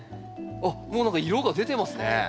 あっもう何か色が出てますね。